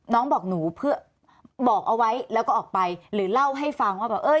น้องบอกหนูเพื่อบอกเอาไว้แล้วก็ออกไปหรือเล่าให้ฟังว่าแบบเออ